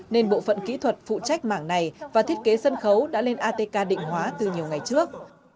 nên bộ phận kỹ thuật phụ trách mảng này và thiết kế sân khấu đã lên atk định hóa từ nhiều ngày trước